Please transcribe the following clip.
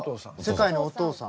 世界のお父さん。